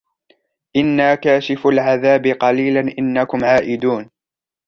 إنا كاشفو العذاب قليلا إنكم عائدون